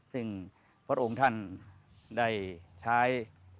ซึ่งพระองค์ท่านได้ใช้